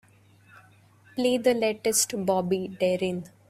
Play the latest Bobby Darin.